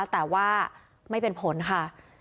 แต่ว่าไม่เป็นผลค่ะ